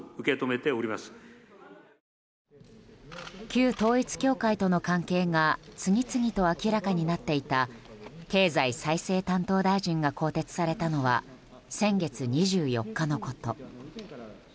旧統一教会との関係が次々と明らかになっていた経済再生担当大臣が更迭されたのは先月２４日のこと。